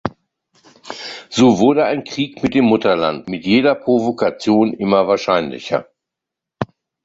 So wurde ein Krieg mit dem Mutterland mit jeder Provokation immer wahrscheinlicher.